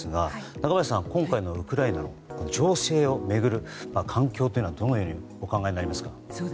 中林さん、今回のウクライナの情勢を巡る環境をどのようにお考えになりますか。